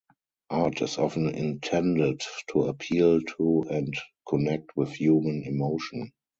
Art is often intended to appeal to and connect with human emotion.